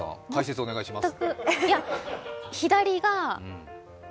解説をお願いします。